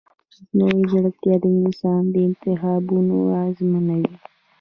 مصنوعي ځیرکتیا د انسان انتخابونه اغېزمنوي.